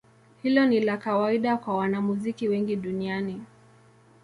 Hilo ni la kawaida kwa wanamuziki wengi duniani.